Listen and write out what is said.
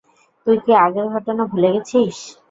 তুই কি আগের ঘটনা ভুলে গেছিস?